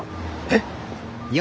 えっ。